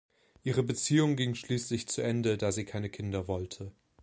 Ihre Beziehung ging schließlich zu Ende, da sie keine Kinder wollte.